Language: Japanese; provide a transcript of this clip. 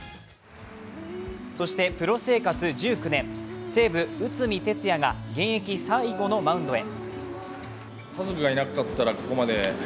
そしてプロ生活１９年西武・内海哲也が現役最後のマウンドへ。